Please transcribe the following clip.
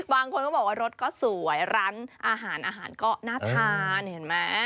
บางคนก็บอกว่ารถก็สวยร้านอาหารอาหารก็น่าทานเห็นไหม